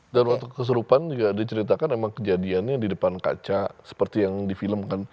dan waktu kesurupan juga diceritakan emang kejadiannya di depan kaca seperti yang di film kan